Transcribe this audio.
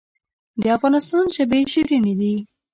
د افغانستان ژبې شیرینې دي